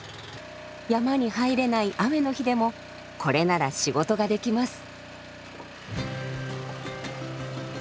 山に入れない雨の日でもこれなら仕事ができます。